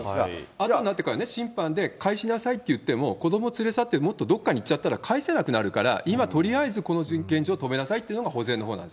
あとになってからね、審判で返しなさいといっても、子ども連れ去ってもっとどっかに行っちゃったら返せなくなるから、今とりあえずこの親権上止めなさいというのが保全のほうなんです。